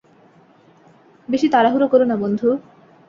বেশি তাড়াহুড়ো করো না বন্ধু।